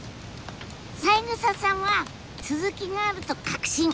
三枝さんは続きがあると確信